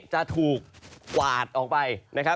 จะถูกวาดออกไป